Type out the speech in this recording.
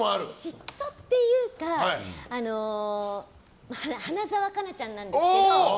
嫉妬っていうか花澤香菜ちゃんなんですけど。